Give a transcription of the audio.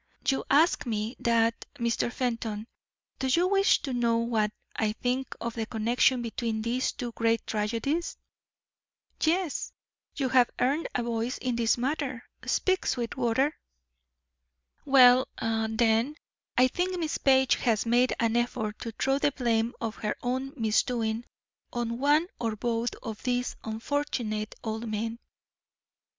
"You ask ME that, Mr. Fenton. Do you wish to know what I think of the connection between these two great tragedies?" "Yes; you have earned a voice in this matter; speak, Sweetwater." "Well, then, I think Miss Page has made an effort to throw the blame of her own misdoing on one or both of these unfortunate old men.